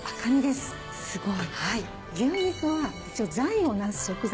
すごい。